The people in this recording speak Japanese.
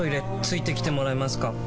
付いてきてもらえますか？